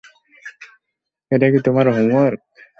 এটা কি তোমার হোমওয়ার্ক?